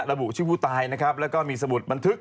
ระบุชื่อผู้ตายนะครับแล้วก็มีสมุดบันทึก